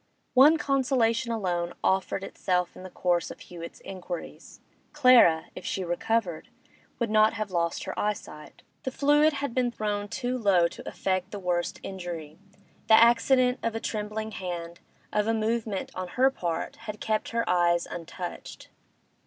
One consolation alone offered itself in the course of Hewett's inquiries; Clara, if she recovered, would not have lost her eyesight. The fluid had been thrown too low to effect the worst injury; the accident of a trembling hand, of a movement on her part, had kept her eyes untouched.